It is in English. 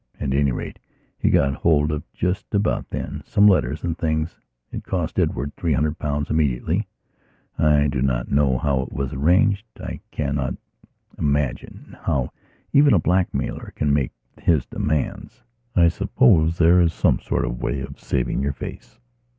At any rate, he got hold of, just about then, some letters and things. It cost Edward three hundred pounds immediately. I do not know how it was arranged; I cannot imagine how even a blackmailer can make his demands. I suppose there is some sort of way of saving your face.